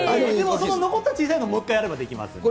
その残った小さいのを持ってやればできますんで。